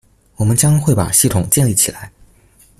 我們將會把系統建立起來